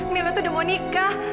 milo itu udah mau nikah